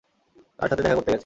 কার সাথে দেখা করতে গেছে?